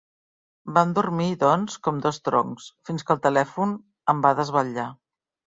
Vam dormir, doncs, com dos troncs fins que el telèfon em va desvetllar.